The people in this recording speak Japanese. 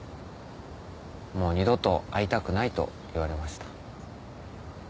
もう二度と会いたくないと言われました。